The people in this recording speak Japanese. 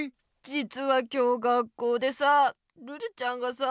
じつは今日学校でさルルちゃんがさ。